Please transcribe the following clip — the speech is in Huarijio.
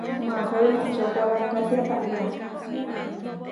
Mahói moʼochókora katia táʼya.